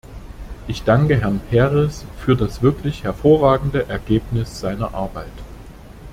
Ich danke Herrn Peres für das wirklich hervorragende Ergebnis seiner Arbeit.